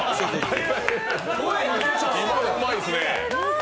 今のうまいですね。